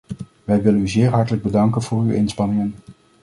Wij willen u zeer hartelijk bedanken voor uw inspanningen.